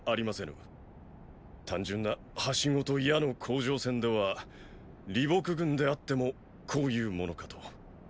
単純な梯子と矢の攻城戦では李牧軍であってもこういうものかと。